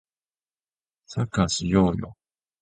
サッカーしようよ